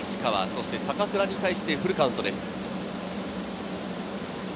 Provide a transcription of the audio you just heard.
そして坂倉に対してフルカウントです。